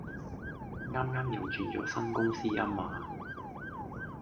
啱啱又轉咗新公司呀嘛